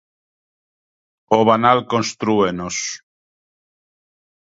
O banal constrúenos.